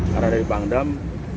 para dari pangdam